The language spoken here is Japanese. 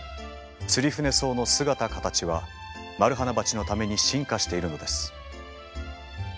ツリフネソウの姿形はマルハナバチのために進化しているのです。